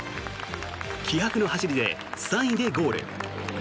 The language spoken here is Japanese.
気迫の走りで３位でゴール。